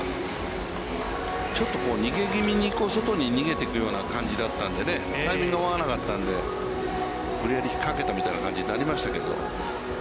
ちょっと逃げぎみに外に逃げて行くような感じだったので、タイミングが合わなかったので、無理やりひっかけた感じになりましたけど。